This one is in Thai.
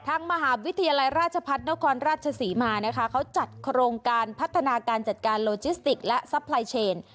ทางมหาวิทยาลัยราชพัฒนครราชศรีมานะคะเขาจัดโครงการพัฒนาการจัดการโลจิสติกและซัพพลายเชน